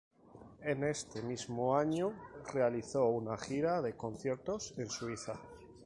En este mismo año realizó una gira de conciertos en Suiza.